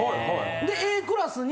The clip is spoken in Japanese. でＡクラスに。